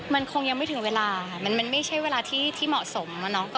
มันคงยังไม่ถึงเวลาค่ะมันไม่ใช่เวลาที่เหมาะสม